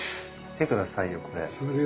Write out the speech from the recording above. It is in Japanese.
見て下さいよこれ。